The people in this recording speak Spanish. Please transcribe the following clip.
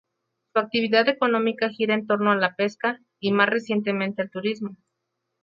Su actividad económica gira en torno a la pesca y, más recientemente, al turismo.